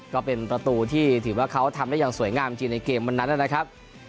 ก็เป็นประตูที่ถือว่าเขาทำได้อย่างสวยงามจริงในเกมวันนั้นนะครับ